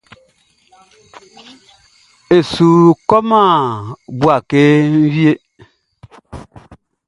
N su kɔman Bouaké wie.